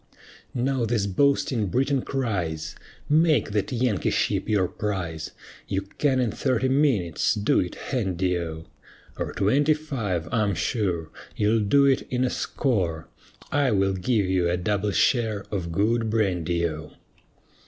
Now this boasting Briton cries, "Make that Yankee ship your prize, You can in thirty minutes do it handy O, Or twenty five, I'm sure You'll do it in a score, I will give you a double share of good brandy O.